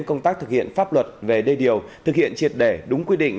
công tác thực hiện pháp luật về đề điều thực hiện triệt đề đúng quy định